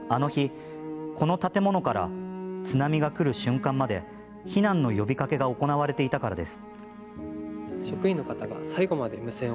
あの日、この建物から津波が来る瞬間まで避難の呼びかけが行われていたからです。